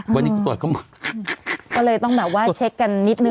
วันนี้ก็ตรวจเข้ามาก็เลยต้องแบบว่าเช็คกันนิดนึ